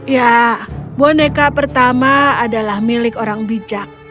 ya boneka pertama adalah milik orang bijak